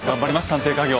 探偵稼業。